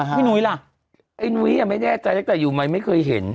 พี่หนุ๊ยล่ะไอ้หนุ๊ยยังไม่แน่ใจแต่อยู่ไหมไม่เคยเห็น